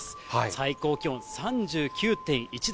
最高気温３９．１度。